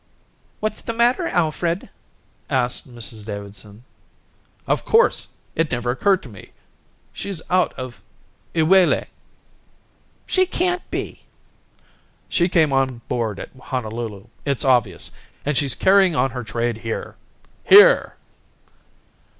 "What's the matter, Alfred?" asked Mrs Davidson. "Of course! It never occurred to me. She's out of Iwelei." "She can't be." "She came on board at Honolulu. It's obvious. And she's carrying on her trade here. Here."